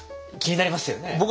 気になりますよね？